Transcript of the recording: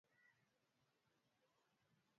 maybe umefanya kuna makosa umefanya na unaona